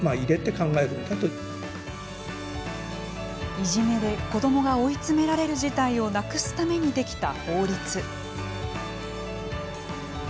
いじめで子どもが追い詰められる事態をなくすためにできた法律。